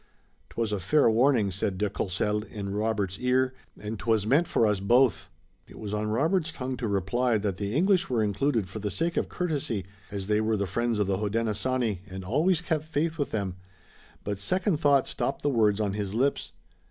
"'Twas a fair warning," said de Courcelles in Robert's ear, "and 'twas meant for us both." It was on Robert's tongue to reply that the English were included for the sake of courtesy, as they were the friends of the Hodenosaunee and always kept faith with them, but second thought stopped the words on his lips.